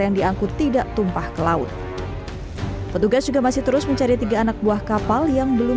yang diangkut tidak tumpah ke laut petugas juga masih terus mencari tiga anak buah kapal yang belum